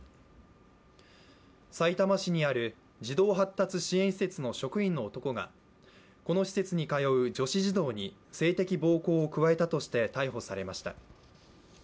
さいたま市にある児童発達支援施設の職員の男がこの施設に通う女子児童に性的暴行を加えたとして逮捕されました。